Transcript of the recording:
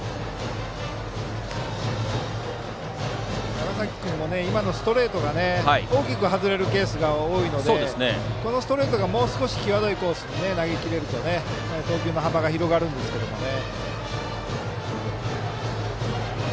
長崎君も今のストレートが大きく外れるケースが多いのでこのストレートがもう少し際どいコースに投げきれると投球の幅が広がるんですけどね。